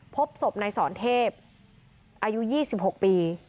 พบศพในสอนเทพอายุยี่สิบหกปี